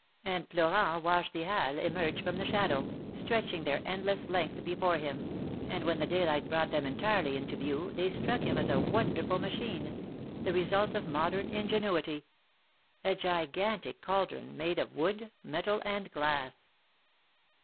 And Florent watched the Halles emerge from the shadow, stretching their endless length before him, and when the daylight brought them entirely into view, they struck him as a wonderful machine, the result of modern ingenuity — a gigantic cauldron made of wood, metal and glass.